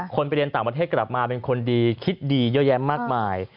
ไปเรียนต่างประเทศกลับมาเป็นคนดีคิดดีเยอะแยะมากมาย